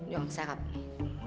yang serap nih